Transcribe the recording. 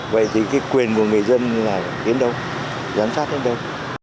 vậy thì cái quyền của người dân là đến đâu giám sát đến đâu